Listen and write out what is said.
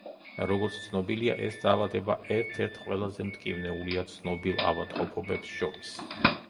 როგორც ცნობილია, ეს დაავადება ერთ-ერთ ყველაზე მტკივნეულია ცნობილ ავადმყოფობებს შორის.